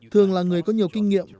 thường là người có nhiều kinh nghiệm